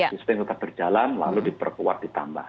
yang berjalan lalu diperkuat ditambah